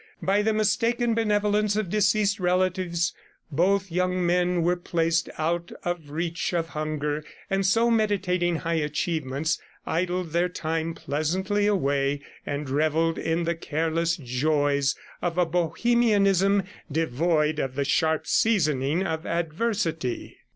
By the mistaken benevolence of deceased relatives both young men were placed out of reach of hunger, and so, meditating high achievements, idled their time pleasantly away, and revelled in the careless joys of a Bohemianism devoid of the sharp seasoning of adversity.